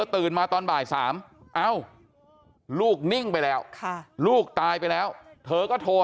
ตื่นมาตอนบ่าย๓เอ้าลูกนิ่งไปแล้วลูกตายไปแล้วเธอก็โทร